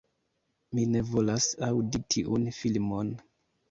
Mi ne volas aŭdi tiun filmon!